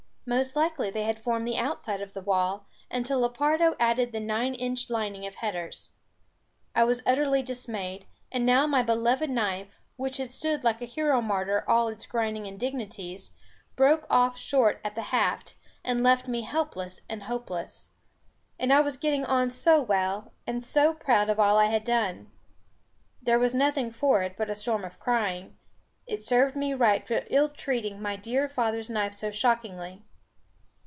Most likely they had formed the outside of the wall, until Lepardo added the nine inch lining of headers. I was utterly dismayed; and now my beloved knife, which had stood like a hero martyr all its grinding indignities, broke off short at the haft, and left me helpless and hopeless. And I was getting on so well, and so proud of all I had done. There was nothing for it but a storm of crying. It served me right for ill treating my dear father's knife so shockingly.